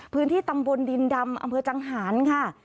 พื้นที่ตำบลดินดำอำเภอจังหารค่ะ